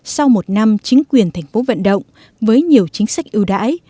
sau một năm chính quyền thành phố vận động với nhiều chính sách ưu đãi